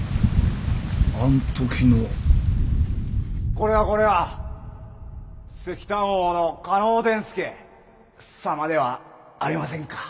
これはこれは石炭王の嘉納伝助様ではありませんか。